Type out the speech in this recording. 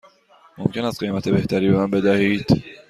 ممکن است قیمت بهتری به من بدهید؟